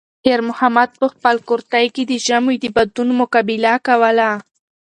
خیر محمد په خپل کورتۍ کې د ژمي د بادونو مقابله کوله.